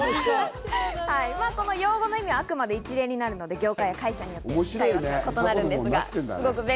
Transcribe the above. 用語の意味はあくまで一例になるので、業界や会社によって意味は異なるので。